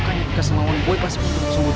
kayaknya kupuka sama wonk boy pasti putuskan